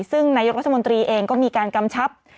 ซึ่งนายกรัฐมนตรีเองก็มีการกำชับ